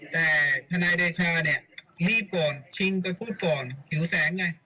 แต่ทนายเดชาเนี่ยรีบก่อนชิงไปพูดก่อนหิวแสงไง